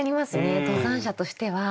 登山者としては。